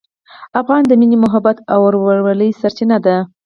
افغان د مینې، محبت او ورورولۍ سرچینه ده.